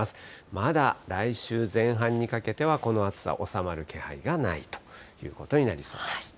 まだ来週前半にかけてはこの暑さ、収まる気配がないということになりそうです。